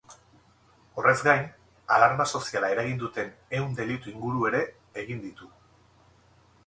Horrez gain, alarma soziala eragin duten ehun delitu inguru ere egin ditu.